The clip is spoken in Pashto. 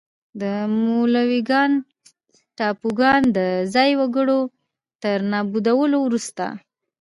د مولوکان ټاپوګان د ځايي وګړو تر نابودولو وروسته.